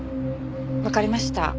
わかりました。